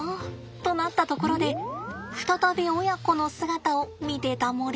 となったところで再び親子の姿を見てタモレ。